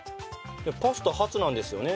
パスタ初なんですよね？